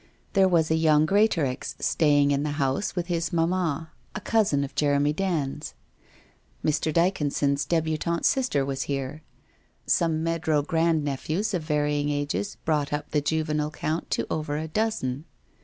There was a young Greatorex staying in the house with his mamma, a cousin of Jeremy Dand's. Mr. Dyconson's debutante sister was here. Some Meadrow grandnephews of varying ages brought up the juvenile count to over a dozen.